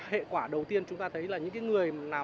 hệ quả đầu tiên chúng ta thấy là những người làm bệnh trầm cảm